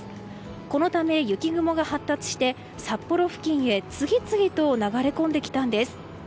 このため雪雲が発達して札幌付近へ次々と流れ込んできたんです。